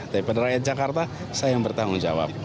dari peneragaya jakarta saya yang bertanggung jawab